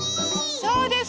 そうです。